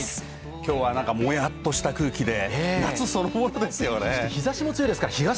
きょうは、なんかもやっとした空気で夏そのものですよね。